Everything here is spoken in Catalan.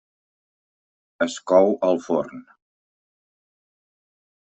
Es cou al forn.